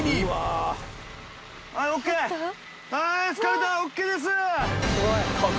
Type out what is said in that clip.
あっ疲れたＯＫです！